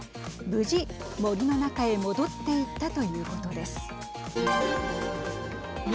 無事、森の中へ戻っていったということです。